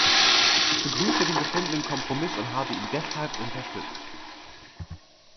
Ich begrüße den gefundenen Kompromiss und habe ihn deshalb unterstützt.